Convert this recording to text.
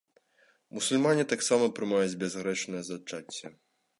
Мусульмане таксама прымаюць бязгрэшнае зачацце.